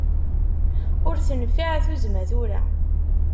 Ur tenfiɛ tuzzma, tura.